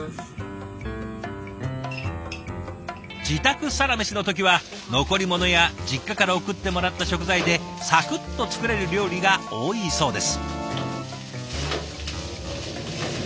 自宅サラメシの時は残り物や実家から送ってもらった食材でサクッと作れる料理が多いそうです。